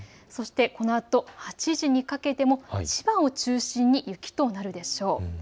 そしてこのあと８時にかけても千葉を中心に雪となるでしょう。